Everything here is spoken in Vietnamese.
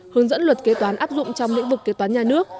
hướng dẫn luật kế toán áp dụng trong lĩnh vực kế toán nhà nước